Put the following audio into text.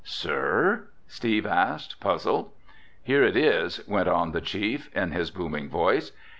"Sir?" Steve asked, puzzled. "Here it is," went on the chief, in his booming voice.